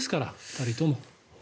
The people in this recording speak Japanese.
２人とも。